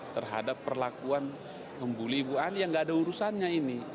terhadap perlakuan membuli ibu ani yang nggak ada urusannya ini